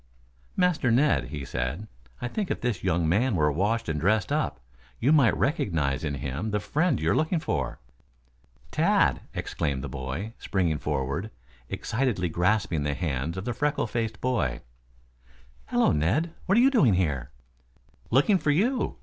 "Master Ned," he said. "I think if this young man were washed and dressed up, you might recognize in him the friend you are looking for." "Tad!" exclaimed the boy, springing forward, excitedly grasping the hands of the freckle faced boy. "Hello, Ned. What you doing here?' "Looking for you.